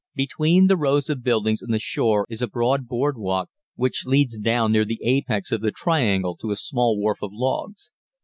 Between the rows of buildings and the shore is a broad board walk, which leads down near the apex of the triangle to a small wharf of logs.